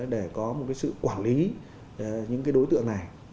để có một sự quản lý những đối tượng này